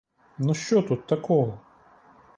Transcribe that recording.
Ну що тут такого?